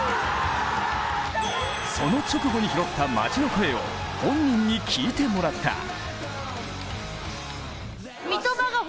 その直後に拾った街の声を本人に聞いてもらった。